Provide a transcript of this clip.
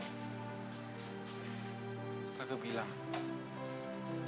gek ke bilang